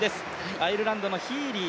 アイルランドのヒーリー。